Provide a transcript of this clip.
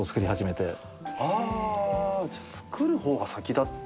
あじゃあ作る方が先だった。